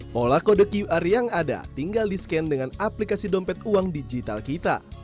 pola kode qr yang ada tinggal di scan dengan aplikasi dompet uang digital kita